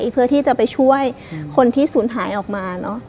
เพื่อที่จะไปช่วยคนที่ศูนย์หายออกมา